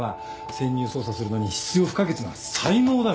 潜入捜査するのに必要不可欠な才能だよ。